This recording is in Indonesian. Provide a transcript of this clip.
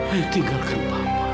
aida tinggalkan bapak